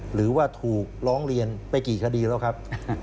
หรือว่าถูกร้องเรียนไปกี่คดีแล้วครับ